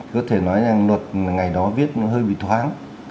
có thể nói rằng luật ngày đó viết hơi bị thoáng